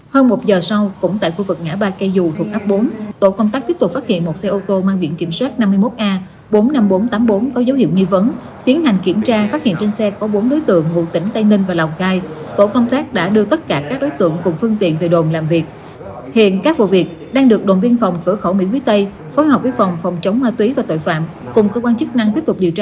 đến hơn một mươi bốn giờ cùng ngày tại khu vực ngã ba cây dù thuộc ấp bốn xã mỹ quý tây tổ công tác phát hiện một xe ô tô mang biện kiểm soát năm mươi một a bốn mươi năm nghìn bốn trăm tám mươi bốn có dấu hiệu nghi vấn xuất cảnh trái phép trên xe gồm một kẻ xế và năm người khác qua xác minh các đối tượng khai nhận đến từ các tỉnh tây ninh và đồng tháp